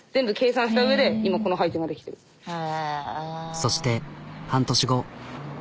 そして半年後。